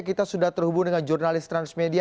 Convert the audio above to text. kita sudah terhubung dengan jurnalis transmedia